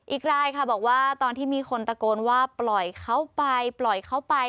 อีกลายบอกว่าตอนที่มีคนตะโกนว่าปล่อยเขาไป